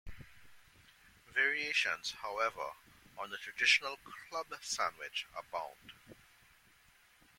Variations, however, on the traditional club sandwich abound.